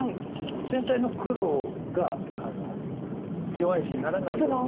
全体の黒が弱い石にならないように。